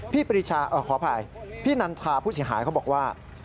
ขออภัยพี่นันทาผู้เสียหายเขาบอกว่า